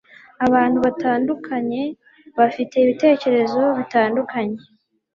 abantu batandukanye bafite ibitekerezo bitandukanye